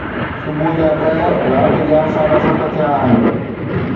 صبح جا ڏهه رات جا ساڍا ست ٿيا آهن